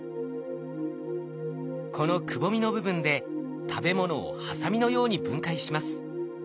このくぼみの部分で食べ物をハサミのように分解します。